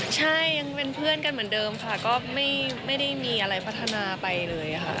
ใช่ยังเป็นเพื่อนกันเหมือนเดิมค่ะก็ไม่ได้มีอะไรพัฒนาไปเลยค่ะ